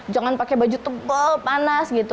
jangan pakai baju tengkol panas gitu